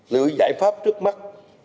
lưu ý giải pháp trước mắt